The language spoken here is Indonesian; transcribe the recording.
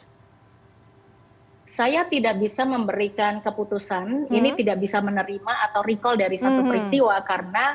hai saya tidak bisa memberikan keputusan ini tidak bisa menerima atau rikol dari satu peristiwa karena